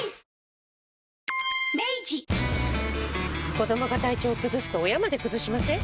子どもが体調崩すと親まで崩しません？